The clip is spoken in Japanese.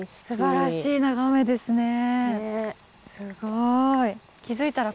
すばらしい眺めですねすごい。